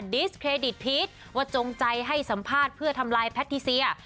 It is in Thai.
ดิสเครดิตพีชว่าจงใจให้สัมภาษณ์เพื่อทำลายแพทิเซีย